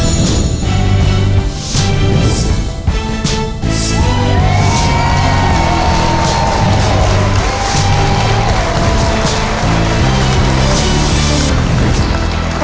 สวัสดีครับ